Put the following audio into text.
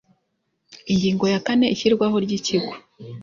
Ingingo ya kane Ishyirwaho ry Ikigo